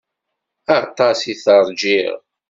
Aṭas i tt-rjiɣ.